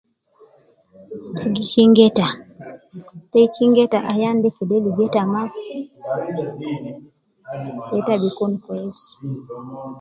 Te gi kingeta te kingeta Ayan de kede ligo ita mafi yeta bi Kun kwess